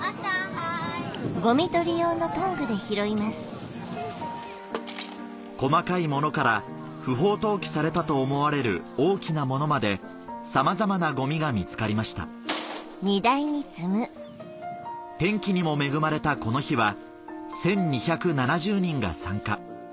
はい・細かいものから不法投棄されたと思われる大きなものまでさまざまなゴミが見つかりました天気にも恵まれたこの日は１２７０人が参加